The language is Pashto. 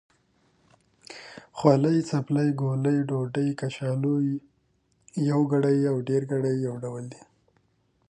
خولۍ، څپلۍ، ګولۍ، ډوډۍ، کچالو... يوګړی او ډېرګړي يو ډول دی.